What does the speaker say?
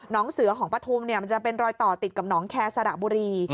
เสือของปฐุมมันจะเป็นรอยต่อติดกับหนองแคร์สระบุรี